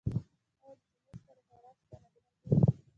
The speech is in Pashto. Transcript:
آیا د جمعې شپه د خیرات شپه نه ګڼل کیږي؟